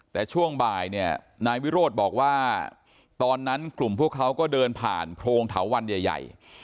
แต่ช่วงบ่ายเนี่ยนายวิโรธบอกว่าตอนนั้นกลุ่มพวกเขาก็เดินผ่านโพรงเถาวันใหญ่